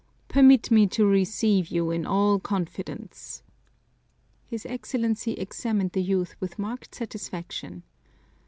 Permit me to receive you in all confidence." His Excellency examined the youth with marked satisfaction.